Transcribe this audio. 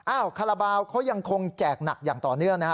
คาราบาลเขายังคงแจกหนักอย่างต่อเนื่องนะฮะ